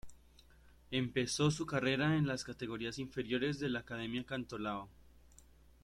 Empezó su carrera en las categorías inferiores del Academia Cantolao.